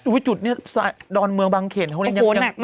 วิจุดเนี้ยสายดอนเมืองบางเขตเขาเนี้ยโอ้โหหนักหนัก